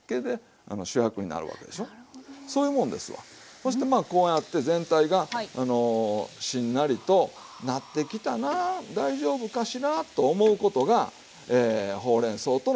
そしてまあこうやって全体がしんなりとなってきたなら大丈夫かしらと思うことがほうれんそうとの対話でしょ。